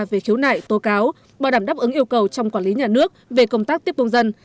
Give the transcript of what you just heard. về khiếu nại tố cáo bảo đảm đáp ứng yêu cầu trong quản lý nhà nước về công tác tiếp công dân